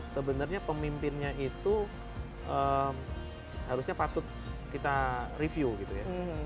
sebenarnya pemimpinnya itu harusnya patut kita review gitu ya